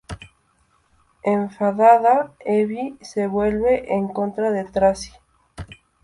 Enfadada, Evie se vuelve en contra de Tracy.